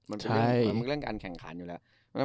มันเป็นเรื่องการแข่งขันอยู่แล้ว